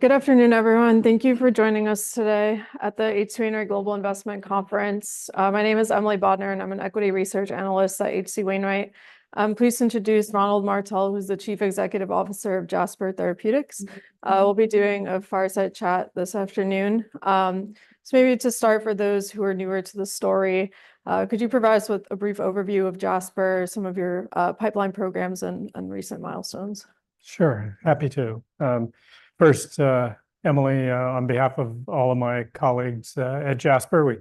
Good afternoon, everyone. Thank you for joining us today at the H.C. Wainwright Global Investment Conference. My name is Emily Bodnar, and I'm an Equity Research Analyst at H.C. Wainwright. I'm pleased to introduce Ronald Martell, who's the Chief Executive Officer of Jasper Therapeutics. We'll be doing a fireside chat this afternoon, so maybe to start for those who are newer to the story, could you provide us with a brief overview of Jasper, some of your pipeline programs and recent milestones? Sure, happy to. First, Emily, on behalf of all of my colleagues at Jasper, we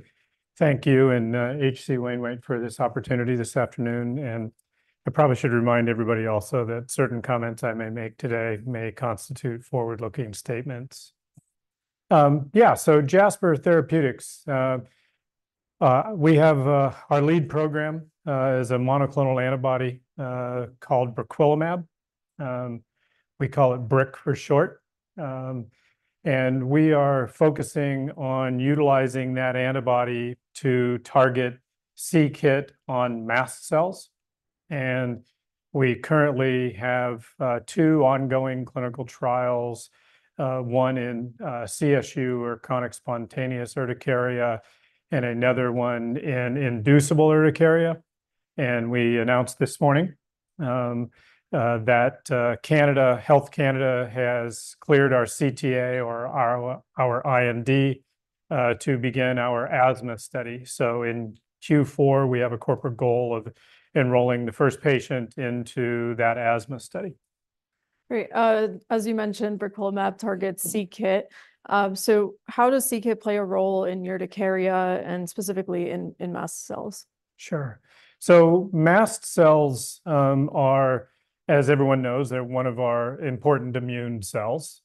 thank you and H.C. Wainwright for this opportunity this afternoon, and I probably should remind everybody also that certain comments I may make today may constitute forward-looking statements. Yeah, so Jasper Therapeutics, we have our lead program is a monoclonal antibody called briquilimab. We call it bric for short. And we are focusing on utilizing that antibody to target c-kit on mast cells, and we currently have two ongoing clinical trials, one in CSU, or chronic spontaneous urticaria, and another one in inducible urticaria, and we announced this morning that Canada, Health Canada has cleared our CTA or our IND to begin our asthma study. In Q4, we have a corporate goal of enrolling the first patient into that asthma study. Great. As you mentioned, briquilimab targets c-Kit. So how does c-Kit play a role in urticaria, and specifically in mast cells? Sure. So mast cells, as everyone knows, they're one of our important immune cells.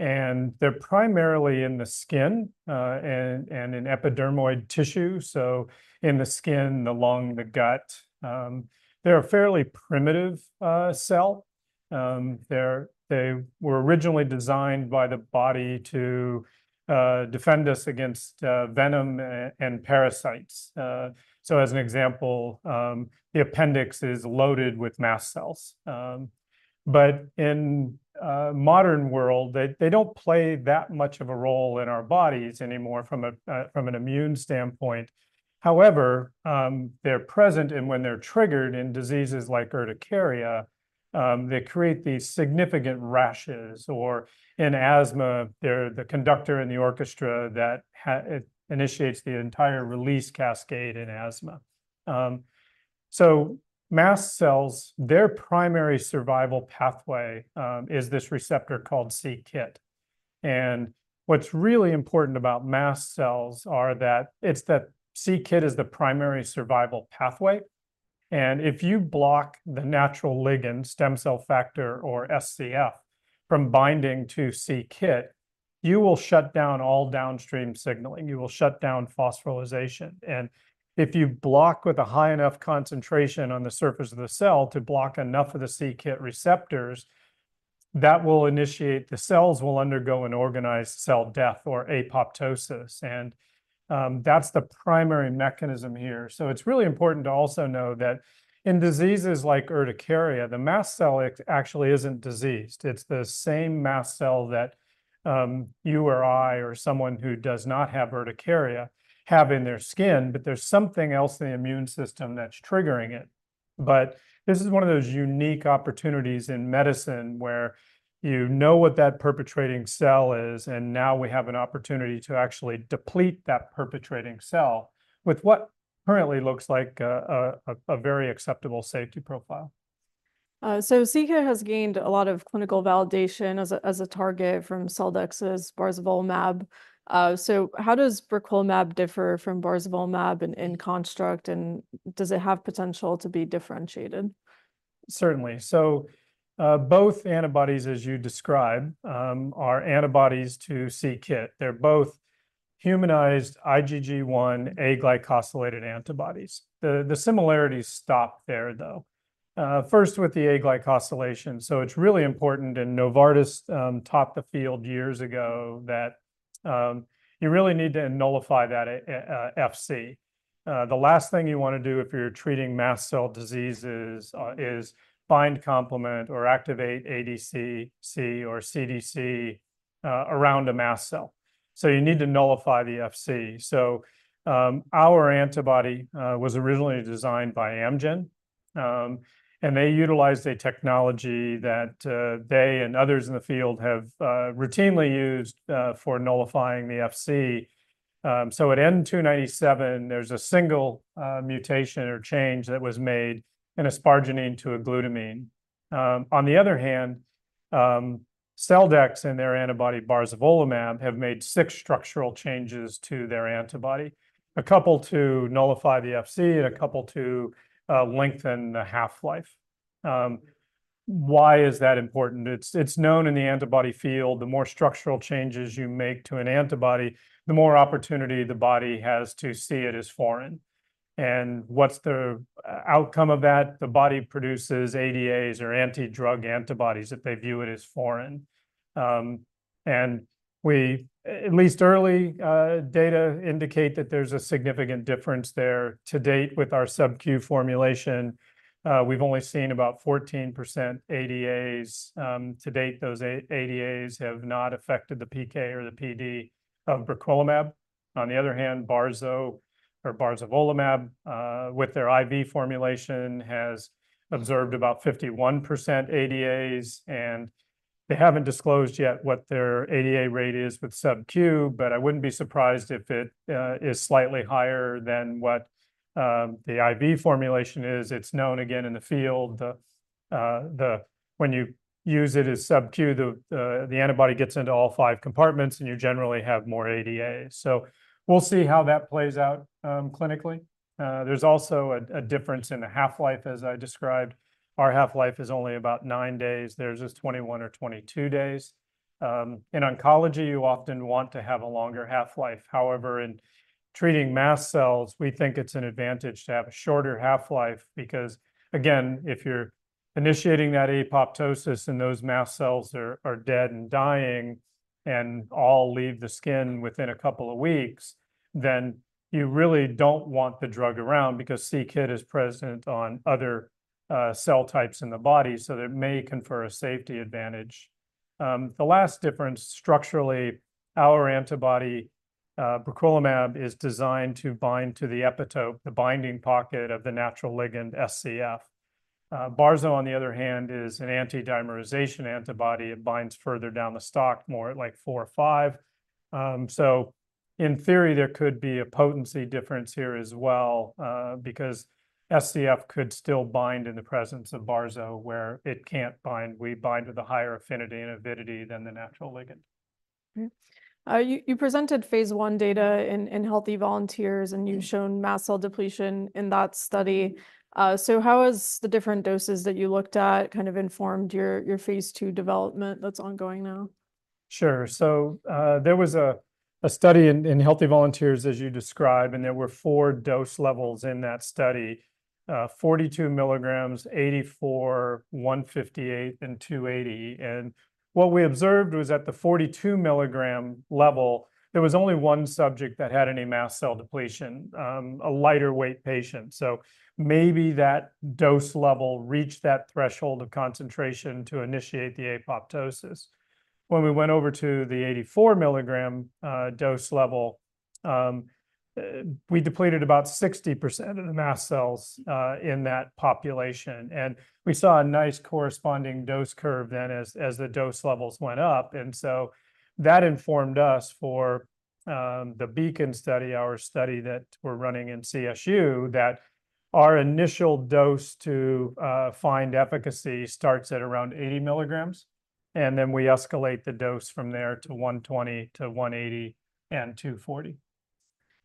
And they're primarily in the skin, and in epithelial tissue, so in the skin, the lung, the gut. They're a fairly primitive cell. They were originally designed by the body to defend us against venom and parasites. So as an example, the appendix is loaded with mast cells. But in a modern world, they don't play that much of a role in our bodies anymore from an immune standpoint. However, they're present, and when they're triggered in diseases like urticaria, they create these significant rashes, or in asthma, they're the conductor in the orchestra that initiates the entire release cascade in asthma. So mast cells, their primary survival pathway, is this receptor called c-Kit. And what's really important about mast cells are that it's the c-Kit is the primary survival pathway, and if you block the natural ligand, stem cell factor, or SCF, from binding to c-Kit, you will shut down all downstream signaling. You will shut down phosphorylation, and if you block with a high enough concentration on the surface of the cell to block enough of the c-Kit receptors, that will initiate. The cells will undergo an organized cell death or apoptosis, and that's the primary mechanism here. So it's really important to also know that in diseases like urticaria, the mast cell actually isn't diseased. It's the same mast cell that you or I or someone who does not have urticaria have in their skin, but there's something else in the immune system that's triggering it. But this is one of those unique opportunities in medicine where you know what that perpetrating cell is, and now we have an opportunity to actually deplete that perpetrating cell with what currently looks like a very acceptable safety profile. So c-Kit has gained a lot of clinical validation as a target from Celldex's barzolvolimab. So how does briquilimab differ from barzolvolimab in construct, and does it have potential to be differentiated? Certainly. So, both antibodies, as you describe, are antibodies to c-Kit. They're both humanized IgG1 aglycosylated antibodies. The similarities stop there, though. First, with the aglycosylation. So it's really important, and Novartis taught the field years ago that you really need to nullify that Fc. The last thing you wanna do if you're treating mast cell diseases is bind complement or activate ADCC or CDC around a mast cell. So you need to nullify the Fc. So, our antibody was originally designed by Amgen, and they utilized a technology that they and others in the field have routinely used for nullifying the Fc. So at N297, there's a single mutation or change that was made in asparagine to a glutamine. On the other hand, Celldex and their antibody barzolvolimab have made six structural changes to their antibody, a couple to nullify the Fc and a couple to lengthen the half-life. Why is that important? It's known in the antibody field, the more structural changes you make to an antibody, the more opportunity the body has to see it as foreign. And what's the outcome of that? The body produces ADAs or anti-drug antibodies if they view it as foreign. And at least early data indicate that there's a significant difference there. To date, with our sub-Q formulation, we've only seen about 14% ADAs. To date, those ADAs have not affected the PK or the PD of briquilimab. On the other hand, Barzo or barzolvolimab, with their IV formulation, has observed about 51% ADAs, and they haven't disclosed yet what their ADA rate is with sub-Q, but I wouldn't be surprised if it is slightly higher than what the IV formulation is. It's known again in the field, when you use it as sub-Q, the antibody gets into all 5 compartments, and you generally have more ADAs. So we'll see how that plays out, clinically. There's also a difference in the half-life, as I described. Our half-life is only about 9 days. Theirs is 21 or 22 days. In oncology, you often want to have a longer half-life. However, in treating mast cells, we think it's an advantage to have a shorter half-life because, again, if you're initiating that apoptosis, and those mast cells are dead and dying and all leave the skin within a couple of weeks, then you really don't want the drug around because c-Kit is present on other, cell types in the body, so it may confer a safety advantage. The last difference, structurally, our antibody, briquilimab, is designed to bind to the epitope, the binding pocket of the natural ligand SCF. Barzo, on the other hand, is an anti-dimerization antibody. It binds further down the stalk, more at, like, four or five. So in theory, there could be a potency difference here as well, because SCF could still bind in the presence of Barzo, where it can't bind. We bind with a higher affinity and avidity than the natural ligand. You presented phase I data in healthy volunteers, and you've shown mast cell depletion in that study. So how has the different doses that you looked at kind of informed your phase II development that's ongoing now? Sure. So, there was a study in healthy volunteers, as you describe, and there were four dose levels in that study, 42 milligrams, 84, 158 and 280. And what we observed was at the 42 milligram level, there was only one subject that had any mast cell depletion, a lighter weight patient. So maybe that dose level reached that threshold of concentration to initiate the apoptosis. When we went over to the 84-milligram dose level, we depleted about 60% of the mast cells in that population, and we saw a nice corresponding dose curve then as the dose levels went up, and so that informed us for the BEACON study, our study that we're running in CSU, that our initial dose to find efficacy starts at around 80 milligrams, and then we escalate the dose from there to 120 to 180 and 240.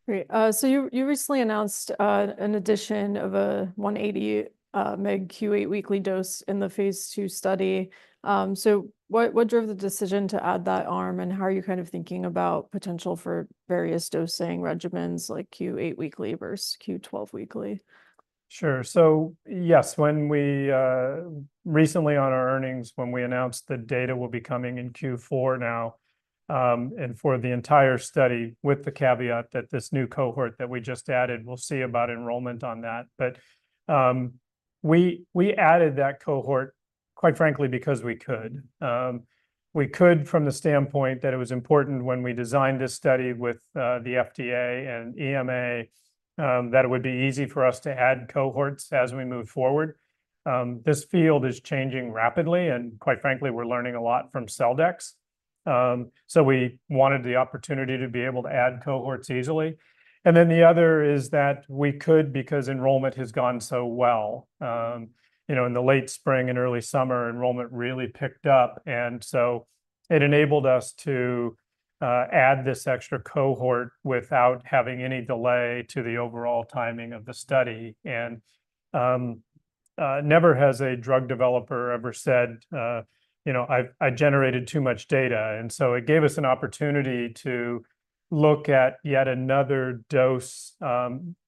Great. So you recently announced an addition of a 180 mg Q8 weekly dose in the phase II study. So what drove the decision to add that arm, and how are you kind of thinking about potential for various dosing regimens like Q8 weekly versus Q12 weekly? Sure. So yes, when we recently on our earnings, when we announced the data will be coming in Q4 now, and for the entire study, with the caveat that this new cohort that we just added, we'll see about enrollment on that. But we added that cohort, quite frankly, because we could. We could from the standpoint that it was important when we designed this study with the FDA and EMA, that it would be easy for us to add cohorts as we move forward. This field is changing rapidly, and quite frankly, we're learning a lot from Celldex. So we wanted the opportunity to be able to add cohorts easily. And then the other is that we could because enrollment has gone so well. You know, in the late spring and early summer, enrollment really picked up, and so it enabled us to add this extra cohort without having any delay to the overall timing of the study. And never has a drug developer ever said, "You know, I've generated too much data." And so it gave us an opportunity to look at yet another dose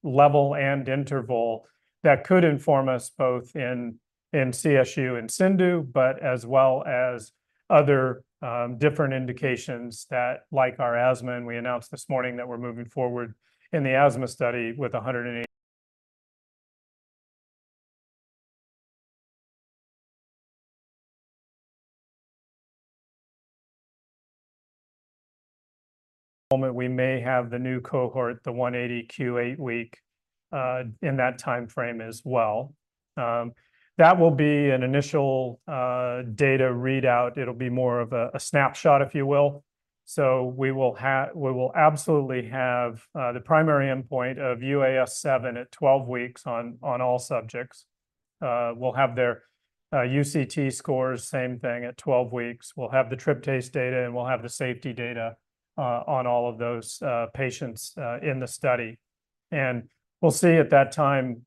level and interval that could inform us both in CSU and CIndU, but as well as other different indications that, like our asthma, and we announced this morning that we're moving forward in the asthma study with a hundred and... in a moment we may have the new cohort, the 180 Q8-week in that timeframe as well. That will be an initial data readout. It'll be more of a snapshot, if you will. So we will absolutely have the primary endpoint of UAS7 at 12 weeks on all subjects. We'll have their UCT scores, same thing at 12 weeks. We'll have the tryptase data, and we'll have the safety data on all of those patients in the study. And we'll see at that time,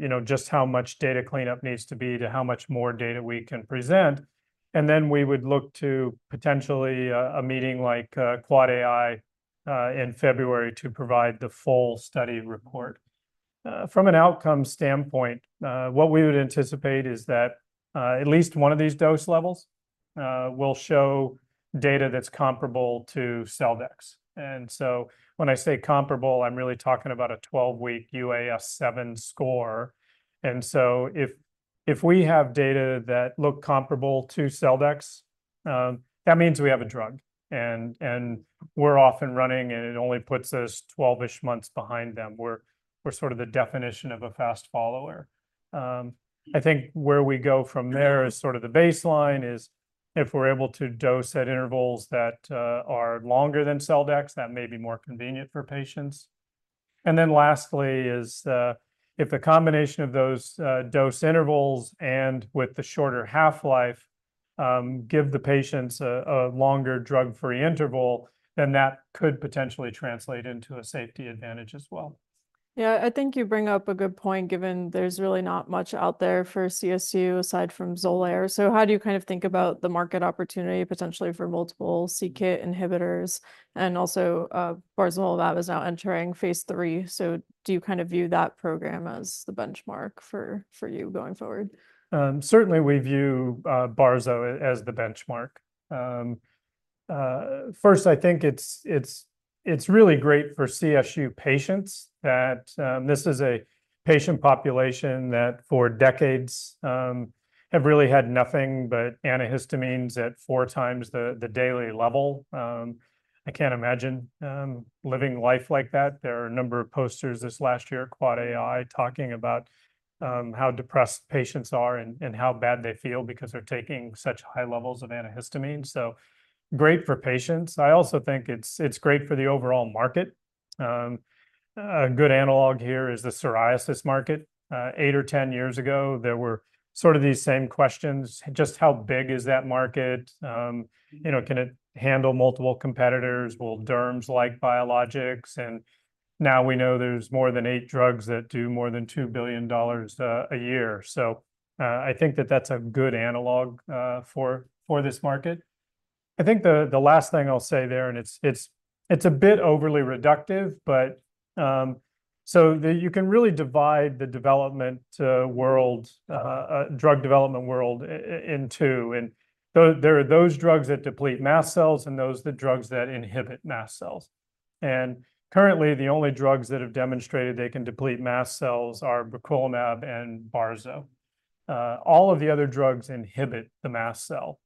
you know, just how much data cleanup needs to be to how much more data we can present. And then we would look to potentially a meeting like QuadAI in February to provide the full study report. From an outcome standpoint, what we would anticipate is that at least one of these dose levels will show data that's comparable to Celldex. And so when I say comparable, I'm really talking about a 12-week UAS7 score. And so if we have data that look comparable to Celldex, that means we have a drug, and we're off and running, and it only puts us twelve-ish months behind them. We're sort of the definition of a fast follower. I think where we go from there is sort of the baseline is, if we're able to dose at intervals that are longer than Celldex, that may be more convenient for patients. And then lastly is, if the combination of those dose intervals and with the shorter half-life give the patients a longer drug-free interval, then that could potentially translate into a safety advantage as well. Yeah, I think you bring up a good point, given there's really not much out there for CSU aside from Xolair. So how do you kind of think about the market opportunity, potentially for multiple c-Kit inhibitors? And also, barzolvolimab is now entering phase III, so do you kind of view that program as the benchmark for you going forward? Certainly we view barzo as the benchmark. First, I think it's really great for CSU patients that this is a patient population that for decades have really had nothing but antihistamines at four times the daily level. I can't imagine living life like that. There are a number of posters this last year at AAAAI talking about how depressed patients are and how bad they feel because they're taking such high levels of antihistamines. So great for patients. I also think it's great for the overall market. A good analog here is the psoriasis market. Eight or 10 years ago, there were sort of these same questions: just how big is that market? You know, can it handle multiple competitors? Will derms like biologics? Now we know there's more than eight drugs that do more than $2 billion a year. I think that's a good analog for this market. I think the last thing I'll say there, and it's a bit overly reductive, but. You can really divide the drug development world into those drugs that deplete mast cells and those that inhibit mast cells. Currently, the only drugs that have demonstrated they can deplete mast cells are briquilimab and Barzo. All of the other drugs inhibit the mast cell,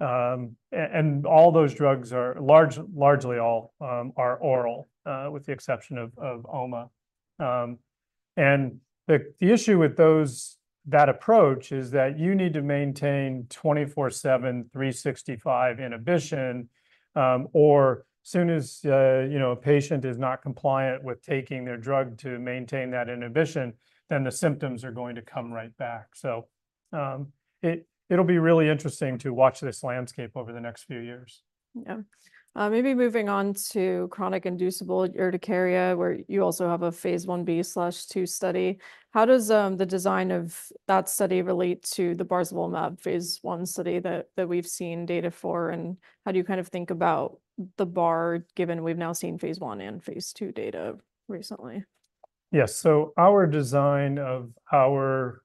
and all those drugs are largely oral with the exception of omalizumab. And the issue with that approach is that you need to maintain 24/7, 365 inhibition, or as soon as, you know, a patient is not compliant with taking their drug to maintain that inhibition, then the symptoms are going to come right back, so it'll be really interesting to watch this landscape over the next few years. Yeah. Maybe moving on to chronic inducible urticaria, where you also have a phase Ib/II study. How does the design of that study relate to the barzolvolimab phase I study that we've seen data for, and how do you kind of think about the bar, given we've now seen phase I and phase II data recently? Yes. So our design of our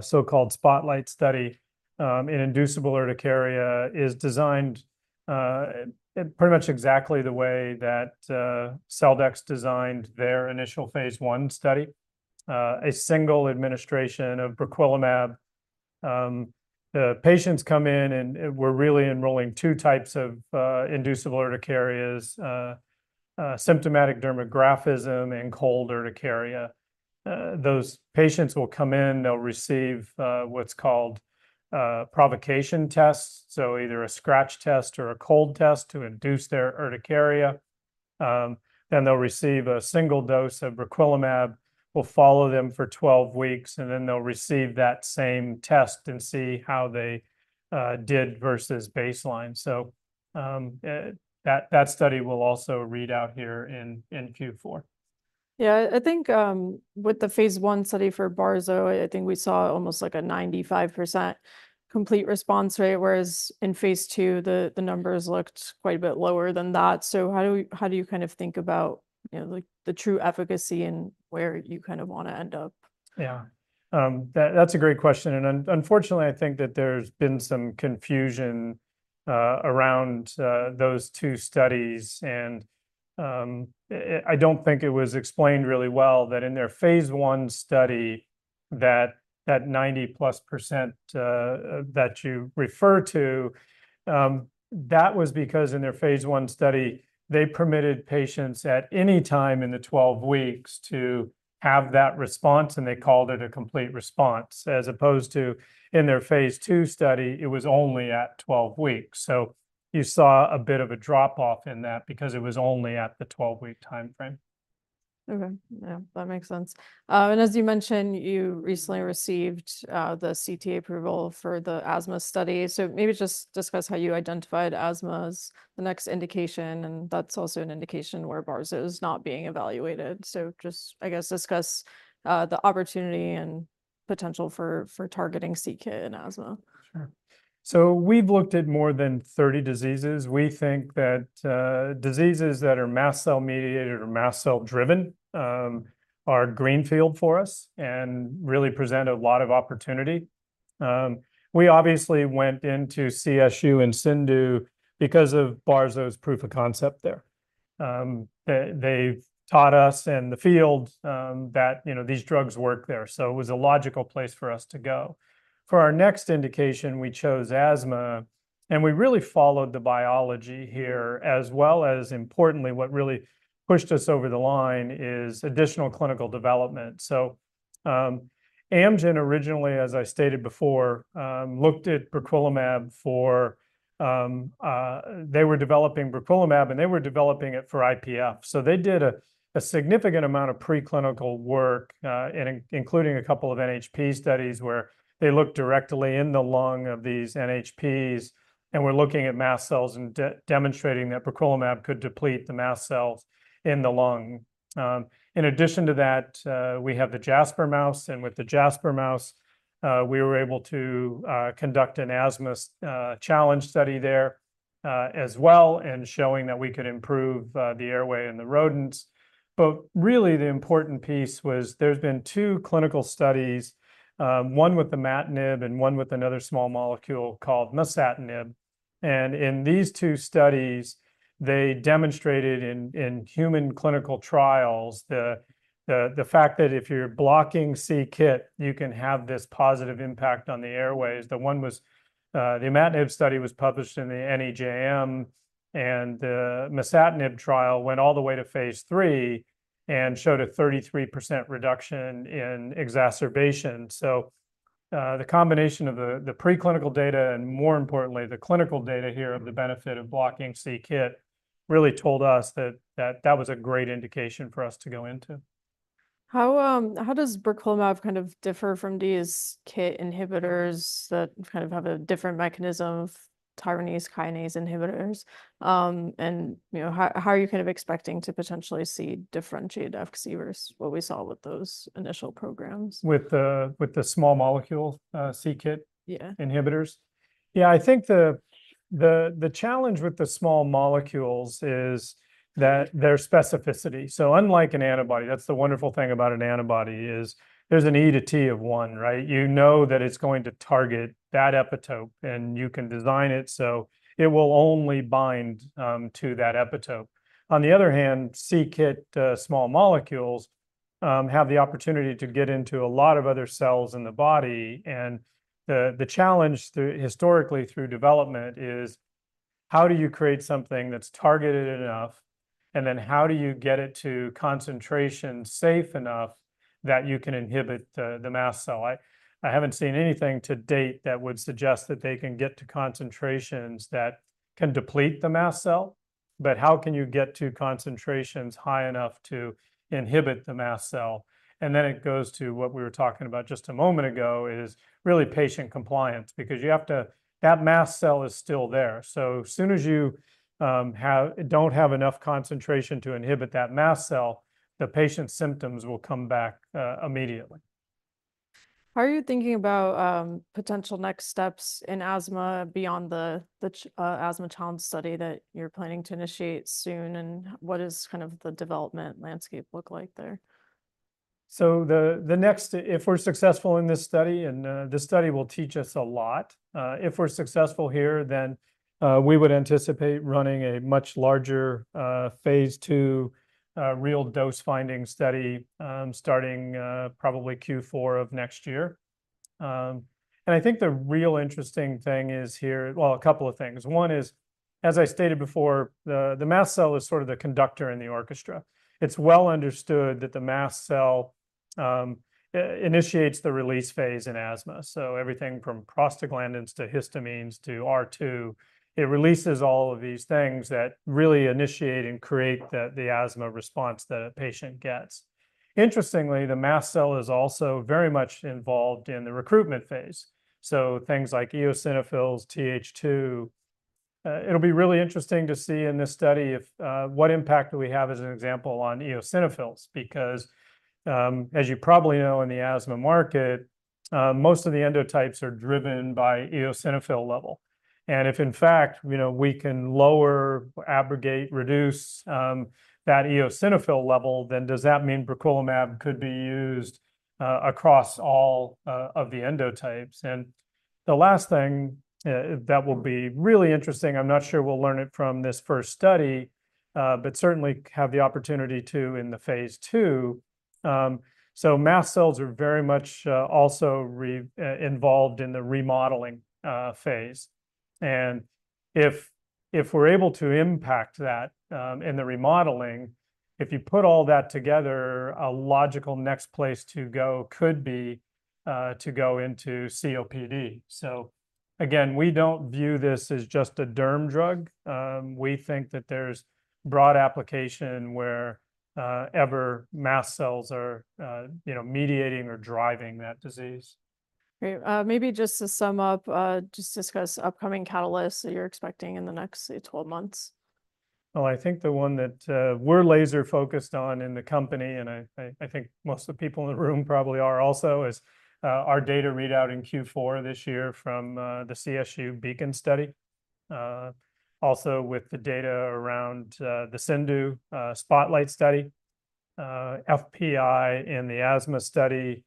so-called SPOTLIGHT study in inducible urticaria is designed pretty much exactly the way that Celldex designed their initial phase 1 study, a single administration of briquilimab. The patients come in, and we're really enrolling two types of inducible urticarias, symptomatic dermographism and cold urticaria. Those patients will come in, they'll receive what's called provocation tests, so either a scratch test or a cold test to induce their urticaria. Then they'll receive a single dose of briquilimab. We'll follow them for 12 weeks, and then they'll receive that same test and see how they did versus baseline. So, that study will also read out here in Q4. Yeah. I think, with the phase I study for Barzo, I think we saw almost, like, a 95% complete response rate, whereas in phase II, the numbers looked quite a bit lower than that. So how do we- how do you kind of think about, you know, like, the true efficacy and where you kind of want to end up? Yeah. That's a great question, and unfortunately, I think that there's been some confusion around those two studies. And I don't think it was explained really well that in their phase I study, that 90%+ that you refer to, that was because in their phase I study, they permitted patients at any time in the 12 weeks to have that response, and they called it a complete response, as opposed to in their phase II study, it was only at 12 weeks. So you saw a bit of a drop-off in that because it was only at the 12-week timeframe. Okay. Yeah, that makes sense. And as you mentioned, you recently received the CTA approval for the asthma study, so maybe just discuss how you identified asthma as the next indication, and that's also an indication where Barzo is not being evaluated. So just, I guess, discuss the opportunity and potential for targeting c-Kit in asthma. Sure. So we've looked at more than thirty diseases. We think that, diseases that are mast cell mediated or mast cell driven, are greenfield for us and really present a lot of opportunity. We obviously went into CSU and CIndU because of Barzo's proof of concept there. They, they've taught us in the field, that, you know, these drugs work there, so it was a logical place for us to go. For our next indication, we chose asthma, and we really followed the biology here, as well as importantly, what really pushed us over the line is additional clinical development. So, Amgen originally, as I stated before, looked at briquilimab for. They were developing briquilimab, and they were developing it for IPF. So they did a significant amount of preclinical work, and including a couple of NHP studies, where they looked directly in the lung of these NHPs, and were looking at mast cells and demonstrating that briquilimab could deplete the mast cells in the lung. In addition to that, we have the Jasper mouse, and with the Jasper mouse, we were able to conduct an asthma challenge study there, as well, and showing that we could improve the airway in the rodents. But really, the important piece was, there's been two clinical studies, one with imatinib and one with another small molecule called masitinib, and in these two studies, they demonstrated in human clinical trials, the fact that if you're blocking c-Kit, you can have this positive impact on the airways. The one was, the imatinib study was published in the NEJM, and the masitinib trial went all the way to phase three and showed a 33% reduction in exacerbation. So, the combination of the preclinical data, and more importantly, the clinical data here of the benefit of blocking c-Kit, really told us that that was a great indication for us to go into. How, how does briquilimab kind of differ from these c-Kit inhibitors that kind of have a different mechanism of tyrosine kinase inhibitors? And you know, how, how are you kind of expecting to potentially see differentiated efficacy versus what we saw with those initial programs? With the small molecule, c-Kit- Yeah Inhibitors? Yeah, I think the challenge with the small molecules is that their specificity. So unlike an antibody, that's the wonderful thing about an antibody, is there's an E to T of one, right? You know that it's going to target that epitope, and you can design it, so it will only bind to that epitope. On the other hand, c-Kit small molecules have the opportunity to get into a lot of other cells in the body, and the challenge through historically, through development, is: how do you create something that's targeted enough, and then how do you get it to concentration safe enough that you can inhibit the mast cell? I haven't seen anything to date that would suggest that they can get to concentrations that can deplete the mast cell, but how can you get to concentrations high enough to inhibit the mast cell? And then it goes to what we were talking about just a moment ago, is really patient compliance, because you have to. That mast cell is still there, so as soon as you don't have enough concentration to inhibit that mast cell, the patient's symptoms will come back immediately. How are you thinking about potential next steps in asthma beyond the asthma challenge study that you're planning to initiate soon, and what is kind of the development landscape look like there? If we're successful in this study, and this study will teach us a lot, if we're successful here, then we would anticipate running a much larger phase two real dose-finding study, starting probably Q4 of next year. And I think the real interesting thing is here. Well, a couple of things. One is, as I stated before, the mast cell is sort of the conductor in the orchestra. It's well understood that the mast cell initiates the release phase in asthma. So everything from prostaglandins to histamines to R2, it releases all of these things that really initiate and create the asthma response that a patient gets. Interestingly, the mast cell is also very much involved in the recruitment phase, so things like eosinophils, Th2. It'll be really interesting to see in this study if what impact do we have, as an example, on eosinophils. Because, as you probably know, in the asthma market, most of the endotypes are driven by eosinophil level, and if in fact, you know, we can lower, abrogate, reduce, that eosinophil level, then does that mean briquilimab could be used across all of the endotypes? And the last thing that will be really interesting, I'm not sure we'll learn it from this first study, but certainly have the opportunity to in the phase two. So mast cells are very much also involved in the remodeling phase, and if we're able to impact that in the remodeling, if you put all that together, a logical next place to go could be to go into COPD. So again, we don't view this as just a derm drug. We think that there's broad application wherever mast cells are you know mediating or driving that disease. Great. Maybe just to sum up, just discuss upcoming catalysts that you're expecting in the next, say, 12 months. I think the one that we're laser-focused on in the company, and I think most of the people in the room probably are also, is our data readout in Q4 this year from the CSU BEACON study. Also with the data around the CIndU SPOTLIGHT study FPI and the asthma study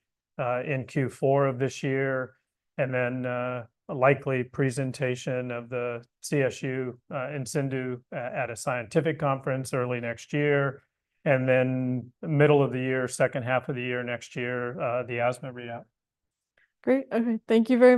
in Q4 of this year, and then a likely presentation of the CSU and CIndU at a scientific conference early next year, and then middle of the year, second half of the year next year, the asthma readout. Great. Okay, thank you very.